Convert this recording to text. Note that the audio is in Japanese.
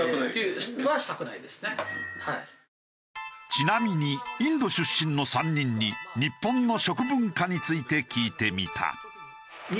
ちなみにインド出身の３人に日本の食文化について聞いてみた。